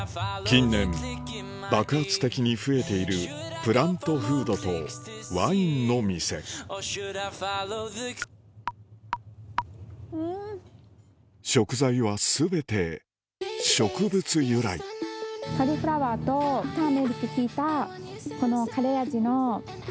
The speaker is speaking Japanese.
近年爆発的に増えているプラントフードとワインの店食材は全て植物由来カリフラワーとターメリック効いたこの。